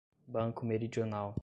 Banco Meridional